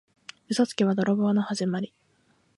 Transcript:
嘘つきは泥棒のはじまり。